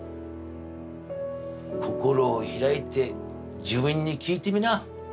心を開いて自分に聞いてみな。